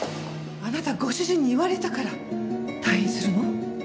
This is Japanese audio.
あなたご主人に言われたから退院するの？